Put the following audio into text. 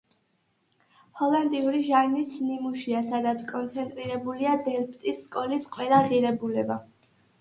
ჰოლანდიური ჟანრის ნიმუშია, სადაც კონცენტრირებულია დელფტის სკოლის ყველა ღირებულება.